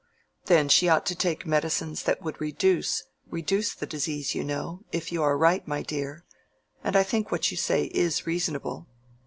"Then she ought to take medicines that would reduce—reduce the disease, you know, if you are right, my dear. And I think what you say is reasonable."